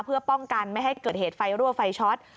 เพื่อป้องกันไม่ให้เกิดเหตุไฟรั่วไฟช็อต